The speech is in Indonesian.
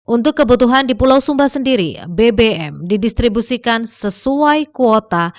untuk kebutuhan di pulau sumba sendiri bbm didistribusikan sesuai kuota